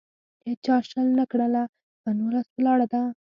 هیچا شل نه کړله. په نولس ولاړه ده.